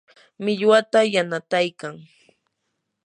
millwata yanataykan.